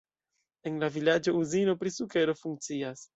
En la vilaĝo uzino pri sukero funkcias.